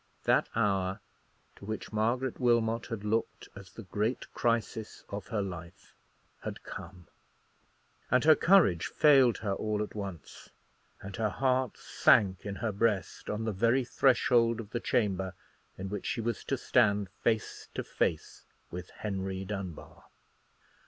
That hour, to which Margaret Wilmot had looked as the great crisis of her life, had come; and her courage failed her all at once, and her heart sank in her breast on the very threshold of the chamber in which she was to stand face to face with Henry Dunbar.